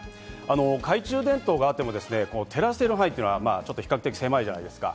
懐中電灯があってもですね、照らせる範囲は比較的狭いじゃないですか。